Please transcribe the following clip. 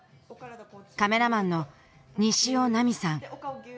カメラマンの西尾菜美さん